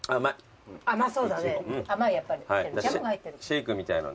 シェイクみたいな。